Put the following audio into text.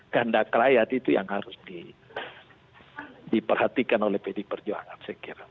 kehendak rakyat itu yang harus diperhatikan oleh pd perjuangan saya kira